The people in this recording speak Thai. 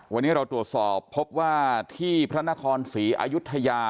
วันนี้เราตรวจสอบพบว่าที่พระนครศรีอายุทยา